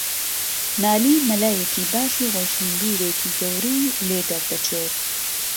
نالی مەلایەکی باش و ڕۆشنبیرێکی گەورەی لێدەردەچێت